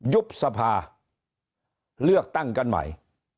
ยุบสภาเลือกตั้งกันใหม่